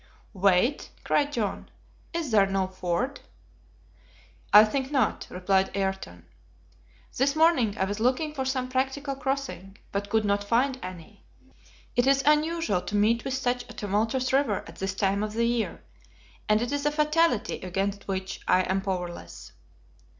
"Wait!" cried John. "Is there no ford?" "I think not," replied Ayrton. "This morning I was looking for some practical crossing, but could not find any. It is unusual to meet with such a tumultuous river at this time of the year, and it is a fatality against which I am powerless."